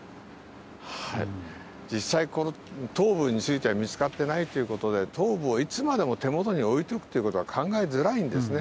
はい、実際この頭部については見つかってないということで、頭部をいつまでも手元に置いておくということは考えづらいんですね。